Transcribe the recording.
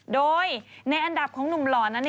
โดยในอันดับของหนุ่มหล่อนั้น